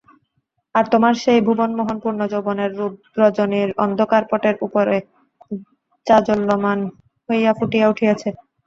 আর তোমার সেই ভুবনমোহন পূর্ণযৌবনের রূপ রজনীর অন্ধকারপটের উপরে জাজ্বল্যমান হইয়া ফুটিয়া উঠিয়াছে।